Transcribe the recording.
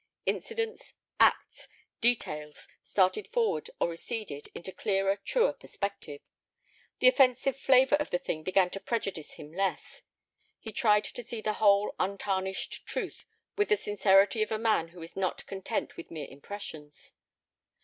Incidents, acts, details started forward or receded into clearer, truer perspective. The offensive flavor of the thing began to prejudice him less. He tried to see the whole untarnished truth with the sincerity of a man who is not content with mere impressions.